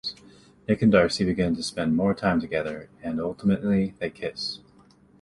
Nick and Darcy begin to spend more time together, and ultimately they kiss.